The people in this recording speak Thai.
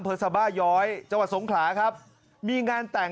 สบาย้อยจังหวัดสงขลาครับมีงานแต่ง